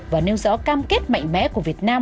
và nêu rõ cam kết mạnh mẽ của việt nam